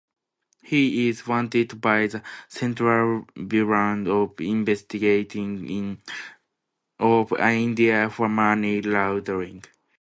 He is wanted by the Central Bureau of Investigation of India for money laundering.